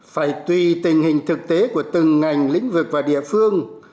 phải tùy tình hình thực tế của từng ngành lĩnh vực và địa phương